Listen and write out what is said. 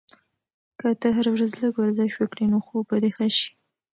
که ته هره ورځ لږ ورزش وکړې، نو خوب به دې ښه شي.